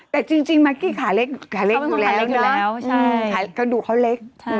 แต่จริงมากกี้ขาเล็กอยู่แล้วขาดูเขาเล็ก